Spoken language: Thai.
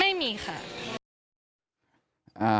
ไม่มีค่ะ